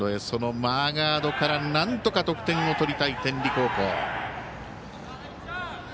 そのマーガードからなんとか得点を取りたい天理高校。